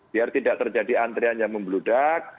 biar tidak terjadi antrian yang membeludak